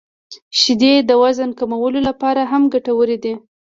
• شیدې د وزن کمولو لپاره هم ګټورې دي.